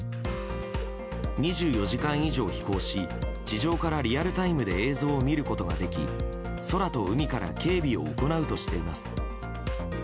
２４時間以上、飛行し地上からリアルタイムで映像を見ることができ空と海から警備を行うとしています。